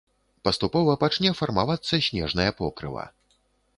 Паступова пачне фармавацца снежнае покрыва.